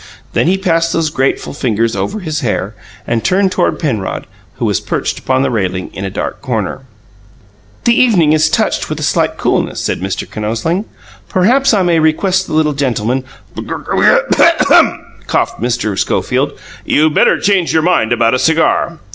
Then he passed those graceful fingers over his hair, and turned toward Penrod, who was perched upon the railing in a dark corner. "The evening is touched with a slight coolness," said Mr. Kinosling. "Perhaps I may request the little gentleman " "B'gr r RUFF!" coughed Mr. Schofield. "You'd better change your mind about a cigar."